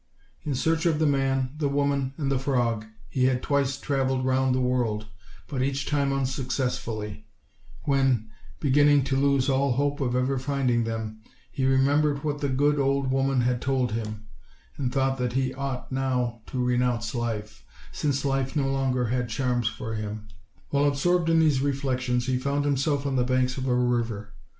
In search of the man, the woman, and the frog, he had twice traveled round the world, but each time unsuccessfully; when, beginning to lose all hope of ever finding them, he remembered what the good old woman had told him, and thought that he ought now to renounce life, since life no longer had charms for him. While absorbed in these reflections he found himself on the banks of a river.